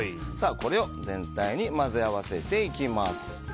これを全体に混ぜ合わせていきます。